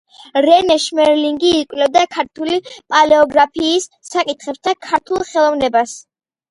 რენე შმერლინგი იკვლევდა ქართული პალეოგრაფიის საკითხებს და ქართულ ხელოვნებას.